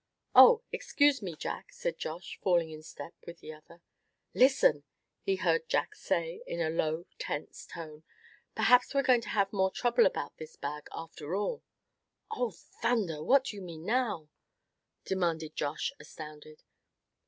"Oh! excuse me, Jack," said Josh, falling in step with the other. "Listen!" he heard Jack say in a low, tense tone; "perhaps we're going to have some more trouble about this bag after all!" "Oh! thunder! what do you mean now?" demanded Josh, astounded.